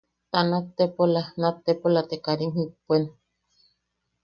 Te nat tepola... nat tepola te karim jippuen.